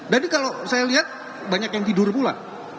jadi kalau saya lihat banyak yang tidur pula